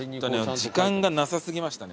時間がなさ過ぎましたね